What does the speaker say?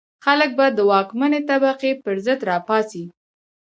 خلک به د واکمنې طبقې پر ضد را پاڅي.